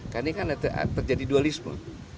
karena ini kan terjadi dualisme